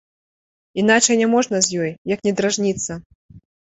Іначай няможна з ёй, як не дражніцца.